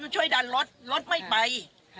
ช่วยดันรถรถไม่ไป